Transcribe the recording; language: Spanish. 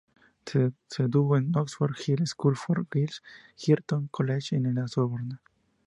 Se educó en "Oxford High School for Girls", "Girton College", y en la Sorbona.